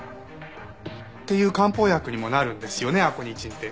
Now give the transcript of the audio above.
っていう漢方薬にもなるんですよねアコニチンって。